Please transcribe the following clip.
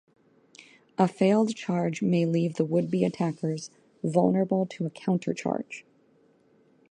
A failed charge may leave the would-be attackers vulnerable to a counter-charge.